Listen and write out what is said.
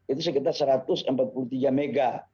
itu sekitar rp satu ratus empat puluh tiga mb